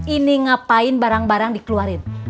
ini ngapain barang barang dikeluarin